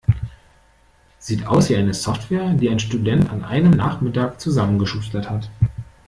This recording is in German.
Sieht aus wie eine Software, die ein Student an einem Nachmittag zusammengeschustert hat.